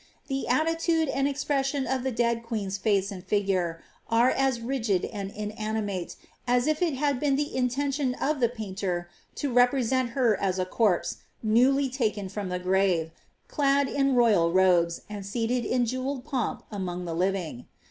The attitude and expression )f the dead queen's face and figure, are as rigid and inanimate, as if it lad been the intention of the painter to represent her as a corpse, newly aken from the grave, clad in royal robes, and seated in jewelled pomp imong the living.